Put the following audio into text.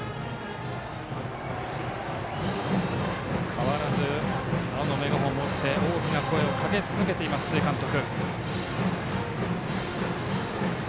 変わらず青のメガホンを持って大きな声をかけ続けています須江監督。